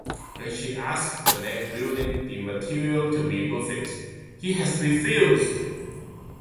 When she asked the man viewing the material to remove it, he had refused.